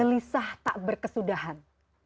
gelisah tak berkesudahan